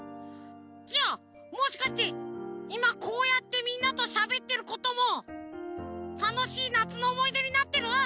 じゃあもしかしていまこうやってみんなとしゃべってることもたのしいなつのおもいでになってる？